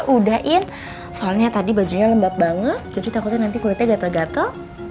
udahin soalnya tadi bajunya lembab banget jadi takutnya nanti kulitnya gatel gatel